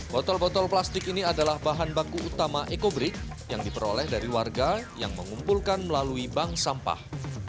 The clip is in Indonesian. botol botol plastik ini adalah bahan baku utama ekobrik yang diperoleh dari warga yang mengumpulkan melalui bank sampah